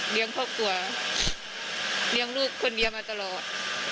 เลี้ยงครอบครัวเรียงลูกคนเดียวมาตลอด